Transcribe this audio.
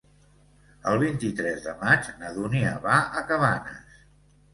El vint-i-tres de maig na Dúnia va a Cabanes.